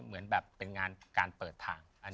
เหมือนแบบเป็นงานการเปิดทาง